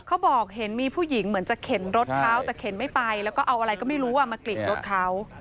เขาบอกเห็นมีผู้หญิงเหมือนจะเข็นรถเขาแต่เข็นไม่ไปแล้วก็เอาอะไรก็ไม่รู้มากลิดรถเขา